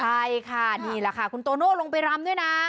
ใช่ค่ะนี่แหละค่ะคุณโตโน่ลงไปรำด้วยนะ